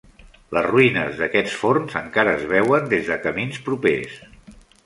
Les ruïnes d'aquests forns encara es veuen des de camins propers.